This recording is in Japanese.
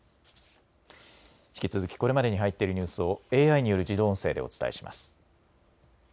引き続きこれまでに入っているニュースをＡＩによる自動音声でお伝えします。